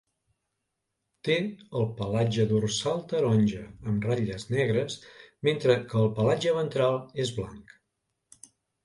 Té el pelatge dorsal taronja amb ratlles negres, mentre que el pelatge ventral és blanc.